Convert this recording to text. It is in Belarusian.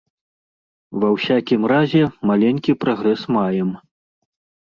Ва ўсякім разе, маленькі прагрэс маем.